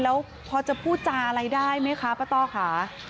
แล้วพอจะพูดจาอะไรได้ไหมคะป้าต้อค่ะ